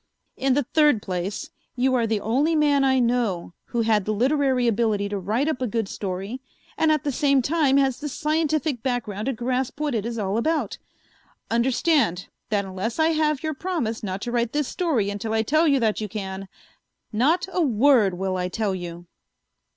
In the third place, you are the only man I know who had the literary ability to write up a good story and at the same time has the scientific background to grasp what it is all about. Understand that unless I have your promise not to write this story until I tell you that you can, not a word will I tell you."